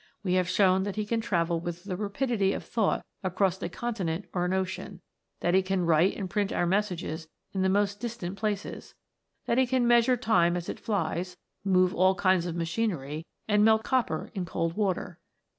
We have shown that he can travel with the rapidity of thought across a continent or an ocean ; that he can write and print our messages in the most distant places ; that he can measure time as it flies, move all kinds of machinery, and melt copper in cold water.